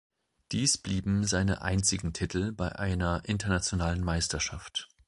Dies blieben seine einzigen Titel bei einer internationalen Meisterschaft.